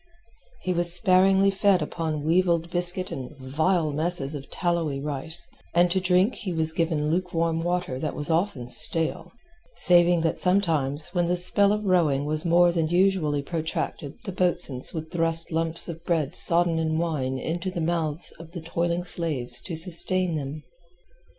He was sparingly fed upon weevilled biscuit and vile messes of tallowy rice, and to drink he was given luke warm water that was often stale, saving that sometimes when the spell of rowing was more than usually protracted the boatswains would thrust lumps of bread sodden in wine into the mouths of the toiling slaves to sustain them.